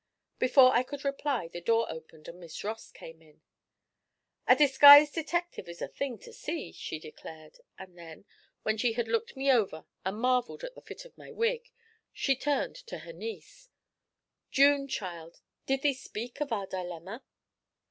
Before I could reply, the door opened and Miss Ross came in. 'A disguised detective is a thing to see!' she declared; and then, when she had looked me over and marvelled at the fit of my wig, she turned to her niece: 'June, child, did thee speak of our dilemma?'